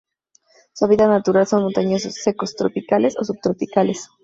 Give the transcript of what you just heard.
Su hábitat natural son montanos secos tropicales o subtropicales.